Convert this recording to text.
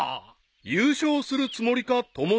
［優勝するつもりか友蔵よ］